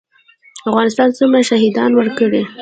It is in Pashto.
افغانستان څومره شهیدان ورکړي؟